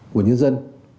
của nhân dân